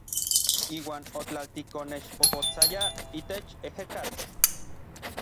Iuan otlaltlikonexpopotsayaj itech ejekatl.